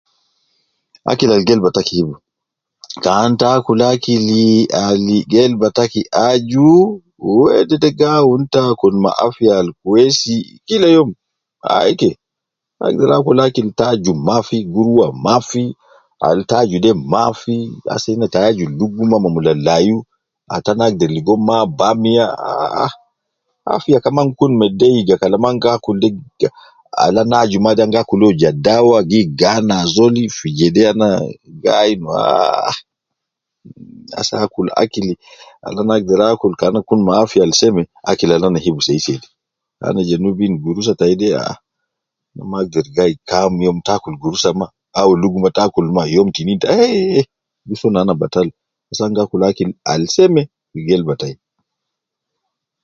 Akil al gelba taki hibu ,kan ta akulu akili al gelba taki aju wedede gi awun ta kun ma afiya kwesi kila youm ai ke ta agder akul akil ta aju mafi gi rua mafi al ta aju de mafi, ase ne tai aju luguma me mula layu ata ne agder ligo ma bamia ah ah afiya kaman gi kun me deiga Kalam an gi akul de akil al ana aju Mafi an gi akul ja dawa gi gana ajoli fi jede ana gi ah, ase akul akil al ana agder akul kana kun me afiya al seme akil al ana hibu sei sei de ana je nubi gurusa tai de ah ma agder gai kam youm ta akul gurusa ma au luguma ta akul ma youm tinin ta eh eh gi soo nana batal bes an gi akul akil al seme fi gelba tai